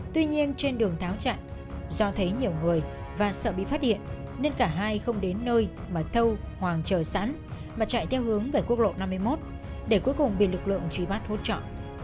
tuy nhiên trên đường tháo chạy do thấy nhiều người và sợ bị phát hiện nên cả hai không đến nơi mà thâu hoàng chờ sẵn mà chạy theo hướng về quốc lộ năm mươi một để cuối cùng bị lực lượng truy bắt hỗ trợ